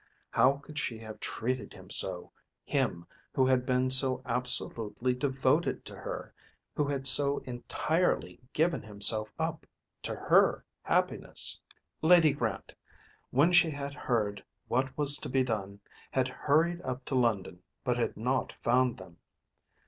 How could she have treated him so, him, who had been so absolutely devoted to her, who had so entirely given himself up to her happiness? Lady Grant, when she had heard what was to be done, had hurried up to London but had not found them.